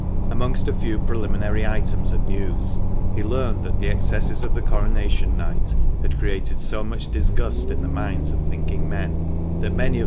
Amongst a few preliminary items of news, he learned that the excesses of the Coronation night had created so much disgust in the minds of thinking men that many of 338 THE MANCHESTER MAN.